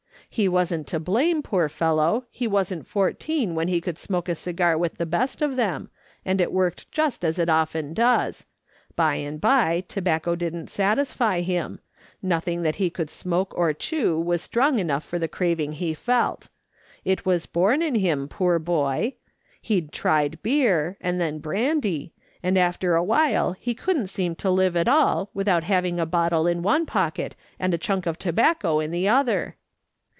He wasn't to blame, poor fellow ; he wasn't fourteen when he could smoke a cigar with the best of them, and it worked just as it often does ; by and by tobacco didn't satisfy him ; nothing that he could smoke or chew was strong enough for the craving he felt. It was born in him, poor boy. He'd tried beer, and then brandy; and after a while he couldn't seem to live at all, without having a bottle in one pocket and a chunk of tobacco in the other.